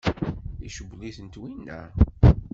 Icewwel-itent winna?